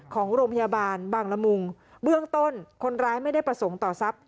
ของโรงพยาบาลบางละมุงเบื้องต้นคนร้ายไม่ได้ประสงค์ต่อทรัพย